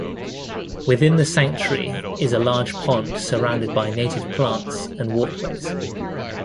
Within the sanctuary is a large pond surrounded by native plants and walkways.